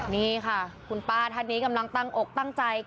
นี่ค่ะคุณป้าท่านนี้กำลังตั้งอกตั้งใจ